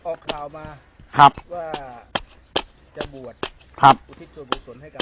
ไปแน่นอนครับไปอีกล้านเปอร์เซ็นต์ครับ